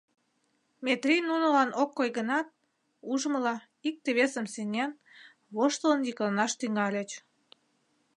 Метрий нунылан ок кой гынат, ужмыла, икте-весым сеҥен, воштылын йӱкланаш тӱҥальыч: